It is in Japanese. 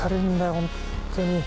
本当に。